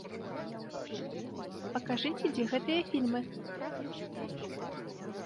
Пакажыце, дзе гэтыя фільмы!